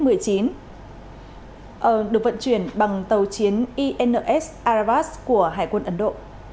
được vận chuyển bằng tàu chiến ins arabras của hải quân ấn độ